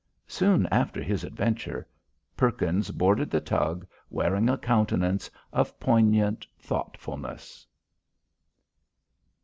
Soon after his adventure Perkins boarded the tug, wearing a countenance of poignant thoughtfulness.